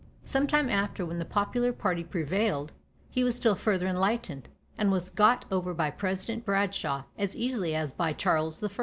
Some time after, when the popular party prevailed, he was still further enlightened, and was got over by President Bradshaw, as easily as by Charles I.